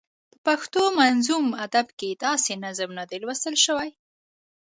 په پښتو منظوم ادب کې داسې نظم نه دی لوستل شوی.